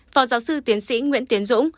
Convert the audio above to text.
phòng giáo sư tiến sĩ nguyễn tiến dũng